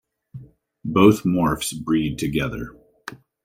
Both morphs breed together.